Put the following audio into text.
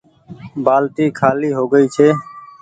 بآلٽي خآلي هوگئي ڇي